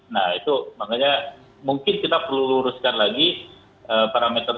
nah itu makanya mungkin kita perlu luruskan lagi parameter